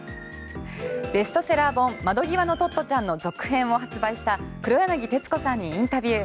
ベストセラー本「窓ぎわのトットちゃん」の続編を発売した黒柳徹子さんにインタビュー。